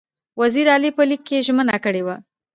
وزیر علي په لیک کې ژمنه کړې وه.